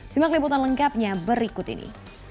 simak liputan lengkapnya berikut ini